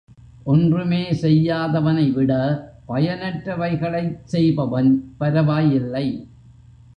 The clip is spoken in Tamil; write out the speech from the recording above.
ஒன்றுமே செய்யாதவனை விட, பயனற்ற வைகளைச் செய்பவன் பரவாயில்லை.